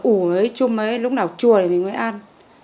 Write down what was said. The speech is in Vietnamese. ủ với chum lúc nào chua thì mình mới ăn